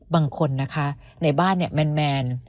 บางคนนะคะในบ้านแมน